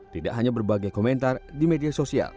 tidak hanya berbagai komentar di media sosial